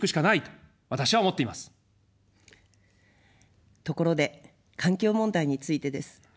ところで環境問題についてです。